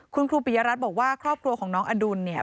คุณครูปิยรัฐบอกว่าครอบครัวของน้องอดุลเนี่ย